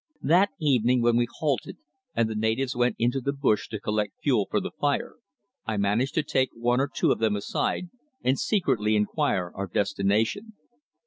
That evening when we halted and the natives went into the bush to collect fuel for the fire, I managed to take one or two of them aside and secretly inquire our destination.